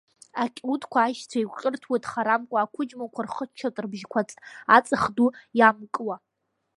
Акьиутқәа-аишьцәа еиқәҿырҭуеит харамкәа, ақәыџьмақәа рхыччоит рыбжьқәа аҵых ду иамкуа.